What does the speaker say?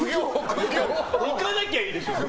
行かなきゃいいでしょ。